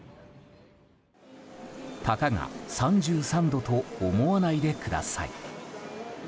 たかが３３度と思わないでください。